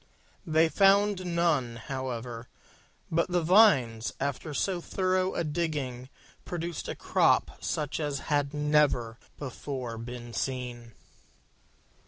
They found none, however: but the vines, after so thorough a digging, produced a crop such as had never before been seen.